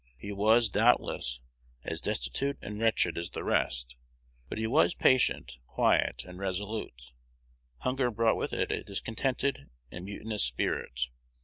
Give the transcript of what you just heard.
He was, doubtless, as destitute and wretched as the rest, but he was patient, quiet, and resolute. Hunger brought with it a discontented and mutinous spirit.